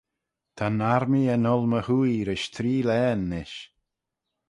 Ta'n armee er ngholl my hwoaie rish tree laghyn nish.